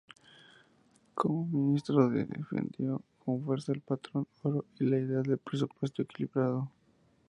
Como ministro, defendió con fuerza el patrón oro y la idea del presupuesto equilibrado.